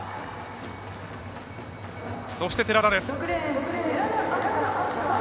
そして、寺田です。